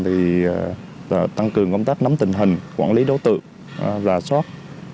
thì tăng cường công tác nắm tình hình quản lý đối tượng rà soát